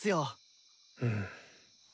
うん。